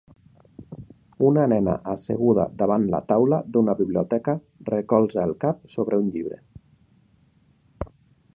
Una nena asseguda davant la taula d'una biblioteca recolza el cap sobre un llibre.